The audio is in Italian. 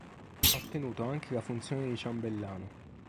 Ha ottenuto anche la funzione di ciambellano.